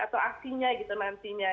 atau aslinya gitu nantinya